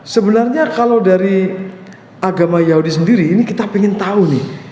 sebenarnya kalau dari agama yahudi sendiri ini kita ingin tahu nih